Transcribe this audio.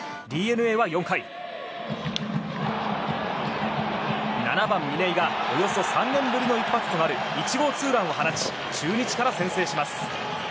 ＤｅＮＡは４回７番、嶺井がおよそ３年ぶりの一発となる１号ツーランを放ち中日から先制します。